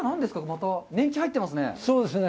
また年季が入ってますね。